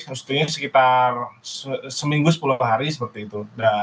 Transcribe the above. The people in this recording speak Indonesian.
mestinya sekitar seminggu sepuluh hari seperti itu